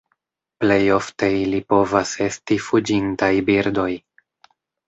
Plej ofte ili povas esti fuĝintaj birdoj.